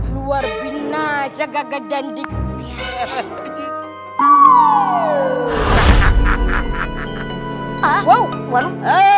luar bina aja kaget dandik